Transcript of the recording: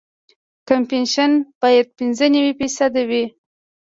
کمپکشن باید پینځه نوي فیصده وي